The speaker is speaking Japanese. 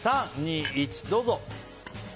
３、２、１どうぞ。